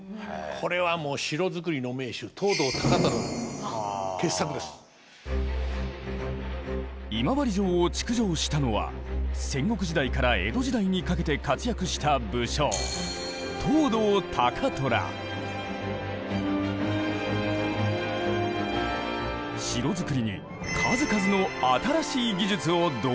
これはもう今治城を築城したのは戦国時代から江戸時代にかけて活躍した武将城造りに数々の新しい技術を導入。